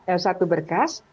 eh satu berkas